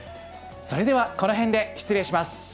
それではこの辺で失礼します。